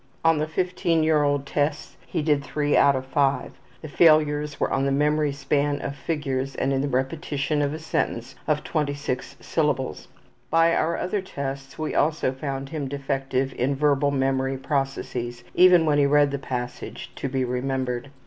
On the 15 year old tests he did three out of five. The failures were on the memory span of figures and in the repetition of a sentence of 26 syllables. By our other tests we also found him defective in verbal memory processes, even when he read the passage to be remembered.